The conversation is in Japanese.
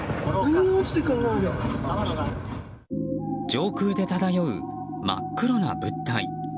上空で漂う、真っ黒な物体。